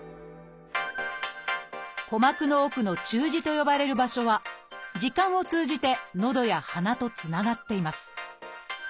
鼓膜の奥の「中耳」と呼ばれる場所は耳管を通じてのどや鼻とつながっています。